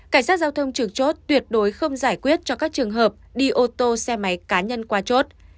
cảnh sát giao thông trực chốt tuyệt đối không giải quyết cho các trường hợp đi ô tô xe máy cá nhân qua chốt